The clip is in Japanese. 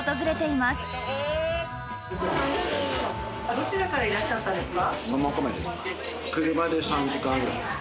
どちらからいらっしゃったんですか？